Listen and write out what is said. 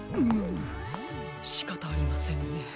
ムムしかたありませんね。